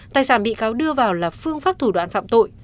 tài sản bị cáo đưa vào là phương pháp thủ đoạn phạm tội